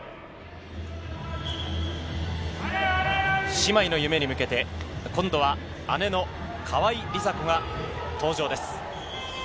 姉妹の夢に向けて今度は姉の川井梨紗子が登場です。